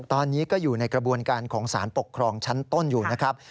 ตอนนี้ก็อยู่ในกระบวนการของสารปกครองชั้นต้นอยู่นะครับ